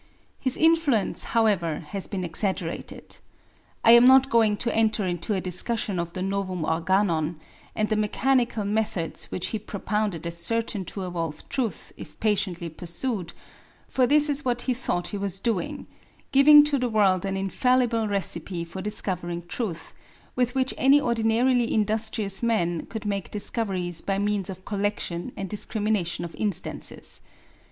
His influence, however, has been exaggerated. I am not going to enter into a discussion of the Novum Organon, and the mechanical methods which he propounded as certain to evolve truth if patiently pursued; for this is what he thought he was doing giving to the world an infallible recipe for discovering truth, with which any ordinarily industrious man could make discoveries by means of collection and discrimination of instances.